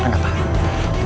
ada apa ini